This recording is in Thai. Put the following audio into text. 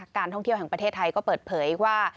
การท่องเที่ยวแห่งประเทศไทยก็เปิดเผยว่า